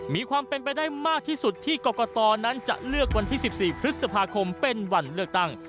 มีความเป็นไปได้มากที่สุดที่กรกตนั้นจะเลือกวันที่๑๔พฤษภาคมเป็นวันเลือกตั้ง